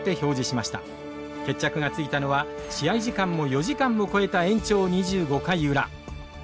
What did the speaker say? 決着がついたのは試合時間も４時間を超えた延長２５回裏。